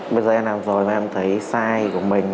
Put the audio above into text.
bây giờ em làm rồi em thấy sai của mình